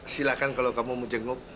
silahkan kalau kamu mau jenguk